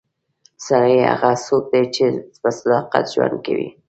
سړی هغه څوک دی چې په صداقت ژوند کوي.